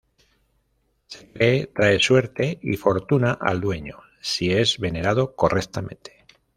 Se cree trae suerte y fortuna al dueño si es venerado correctamente.